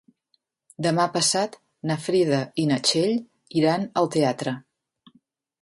Demà passat na Frida i na Txell iran al teatre.